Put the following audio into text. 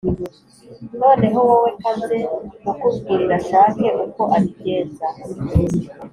noneho wowe kanze mukubwirire ashake uko abigenza